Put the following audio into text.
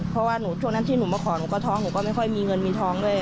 เพราะว่าช่วงนั้นที่หนูมาขอหนูก็ท้องหนูก็ไม่ค่อยมีเงินมีทองด้วย